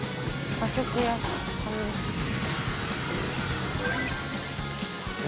和食屋さんですね。